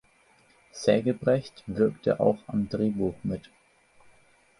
Sägebrecht wirkte auch am Drehbuch mit.